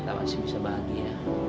tak masih bisa bahagia